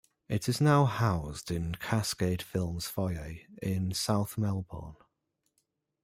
It is now housed in Cascade Films Foyer in South Melbourne.